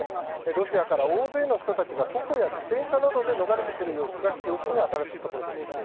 ロシアから大勢の人たちが徒歩や自転車などで逃れてくる様子が記憶に新しいところです。